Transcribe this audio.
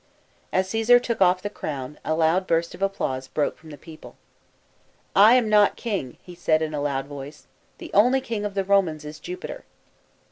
As Coesai* took off' the crown, a loud burst of applause broke from the people. " I am not king," he said in a loud voice ;" the only king of the Romans is Jupiter."